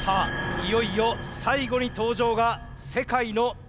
いよいよ最後に登場が世界のＴ社です。